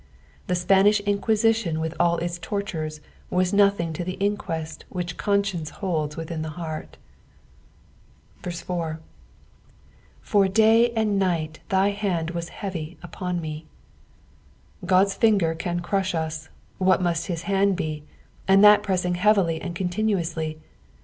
The Spanish inquisition with all its tortures was nothing to the inquest which conscience holds within the heart. 4. For dof/ and night thyhandicat heavy upon me." Qod's finger can crush ua — wbat must his band be, and that pressing hcaviljr and continuouslj